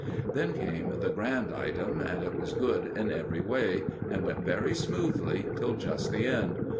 Then came the grand item, and it was good in every way, and went very smoothly till just the end.